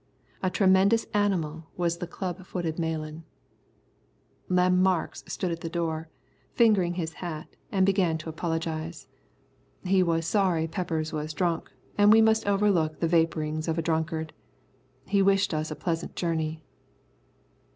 A tremendous animal was the club footed Malan. Lem Marks stopped at the door, fingered his hat and began to apologise. He was sorry Peppers was drunk, and we must overlook the vapourings of a drunkard. He wished us a pleasant journey.